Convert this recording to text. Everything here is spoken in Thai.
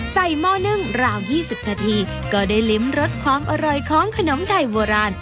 หม้อนึ่งราว๒๐นาทีก็ได้ลิ้มรสความอร่อยของขนมไทยโบราณ